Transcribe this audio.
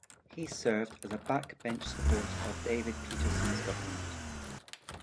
He served as a backbench supporter of David Peterson's government.